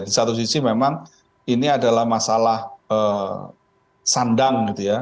di satu sisi memang ini adalah masalah sandang gitu ya